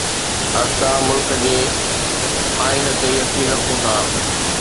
اسان ملڪ جي آئين تي يقين رکون ٿا.